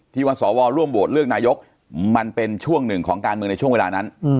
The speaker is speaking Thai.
ว่าสวร่วมโหวตเลือกนายกมันเป็นช่วงหนึ่งของการเมืองในช่วงเวลานั้น